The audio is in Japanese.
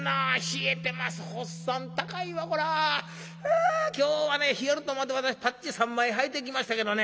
あ今日はね冷えると思って私パッチ３枚はいてきましたけどね